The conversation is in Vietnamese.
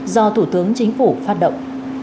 do thủ tướng chính phủ phát động